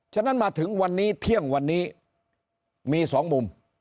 ฉะนั้นมาถึงวันนี้เที่ยงวันนี้มี๒มุม